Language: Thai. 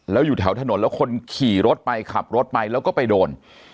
แล้วอยู่แถวถนนแล้วคนขี่รถไปขับรถไปแล้วก็ไปโดน